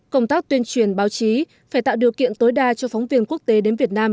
công tác tuyên truyền báo chí phải tạo điều kiện tối đa cho phóng viên quốc tế đến việt nam